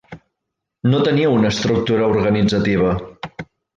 No tenia una estructura organitzativa.